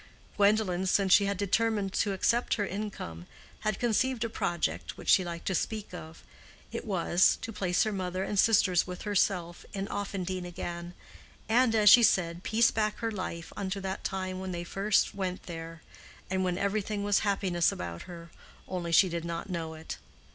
Gwendolen, since she had determined to accept her income, had conceived a project which she liked to speak of: it was to place her mother and sisters with herself in Offendene again, and, as she said, piece back her life unto that time when they first went there, and when everything was happiness about her, only she did not know it.